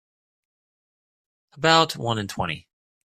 About one in twenty.